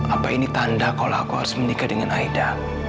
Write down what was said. apa ini tanda kalau aku harus menikah dengan aida